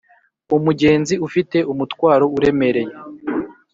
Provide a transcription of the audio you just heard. umugenzi ufite umutwaro uremereye